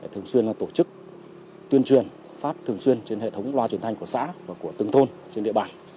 thường xuyên tổ chức tuyên truyền phát thường xuyên trên hệ thống loa truyền thanh của xã và của từng thôn trên địa bàn